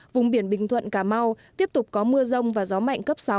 vùng biển bình thuận cà mau tiếp tục có mưa rông và gió mạnh cấp sáu